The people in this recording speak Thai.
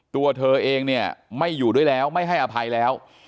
ตัวเธอเองเนี่ยไม่อยู่ด้วยแล้วไม่ให้อภัยแล้ว